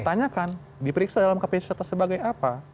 tanyakan diperiksa dalam kpjs sebagai apa